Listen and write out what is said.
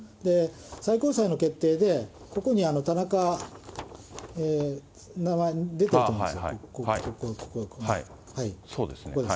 最高裁の決定で、ここに田中、名前が出てると思うんですよ、ここに。